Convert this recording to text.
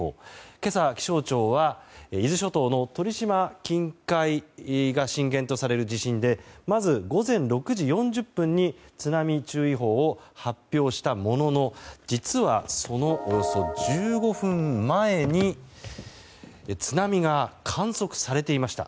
今朝、気象庁は伊豆諸島の鳥島近海が震源とされる地震でまず午前６時４０分に津波注意報を発表したものの実は、そのおよそ１５分前に津波が観測されていました。